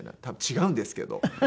多分違うんですけど。